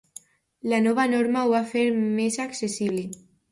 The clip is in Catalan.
La nova norma ho va fer més accessible.